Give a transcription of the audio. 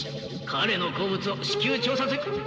彼の好物を至急調査す。